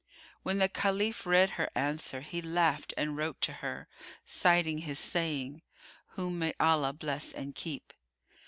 When the Caliph read her answer, he laughed and wrote to her, citing his saying (whom may Allah bless and keep!)